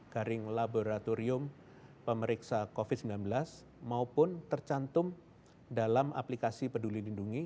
garing laboratorium pemeriksa covid sembilan belas maupun tercantum dalam aplikasi peduli lindungi